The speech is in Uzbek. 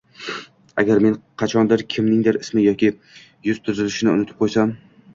Agar men qachondir kimningdir ismi yoki yuz tuzilishini unutib qoʻysam